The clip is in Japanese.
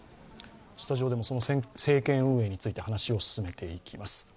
スタジオでもその政権運営について話を進めていきます。